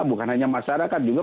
bukan hanya masyarakat juga